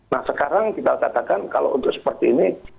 nah sekarang kita katakan kalau untuk seperti ini